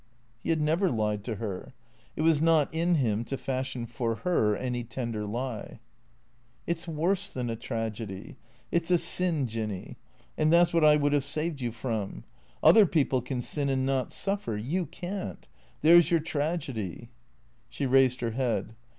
He had never lied to her. It was not in him to fashion for her any tender lie. " It 's worse than a tragedy. It 's a sin. Jinny. And that 's what I would have saved you from. Other people can sin and not suffer. You can't. There's your tragedy." She raised her head.